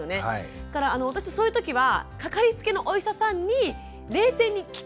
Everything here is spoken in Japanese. だから私そういう時はかかりつけのお医者さんに冷静に聞くっていう。